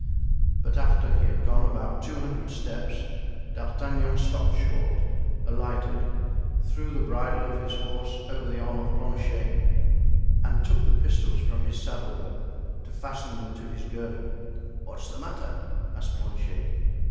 But after he had gone about two hundred steps D'Artagnan stopped short, alighted, threw the bridle of his horse over the arm of Planchet and took the pistols from his saddle bow to fasten them to his girdle. "What's the matter?" asked Planchet.